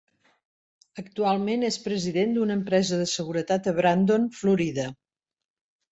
Actualment és president d'una empresa de seguretat a Brandon, Florida.